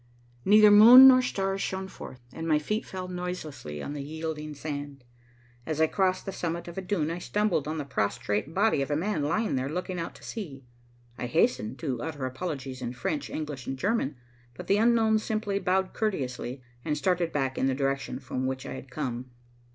Neither moon nor stars shone forth, and my feet fell noiselessly on the yielding sand. As I crossed the summit of a dune, I stumbled on the prostrate body of a man lying there looking out to sea. I hastened to utter apologies in French, English and German, but the unknown simply bowed courteously, and started back in the direction from which I had come.